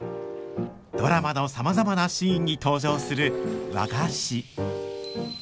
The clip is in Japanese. ドラマのさまざまなシーンに登場する和菓子。